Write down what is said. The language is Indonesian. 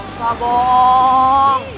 gak usah boong